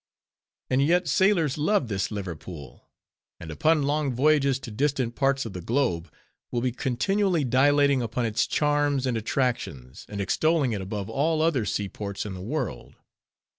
And yet, sailors love this Liverpool; and upon long voyages to distant parts of the globe, will be continually dilating upon its charms and attractions, and extolling it above all other seaports in the world.